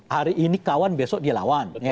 hari ini kawan besok dia lawan